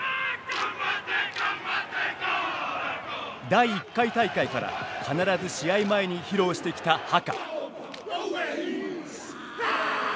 第１回大会から必ず試合前に披露してきたハカ。